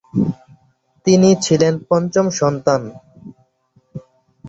তিনি ছিলেন পঞ্চম সন্তান।